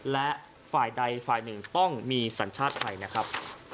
และฝ่ายใดฝ่ายหนึ่งต้องมีสัญชาติไทยนะครับ